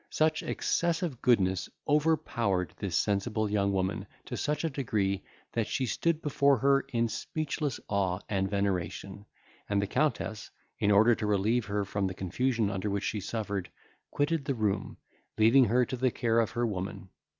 Such excessive goodness overpowered this sensible young woman to such a degree, that she stood before her in speechless awe and veneration; and the Countess, in order to relieve her from the confusion under which she suffered, quitted the room, leaving her to the care of her woman.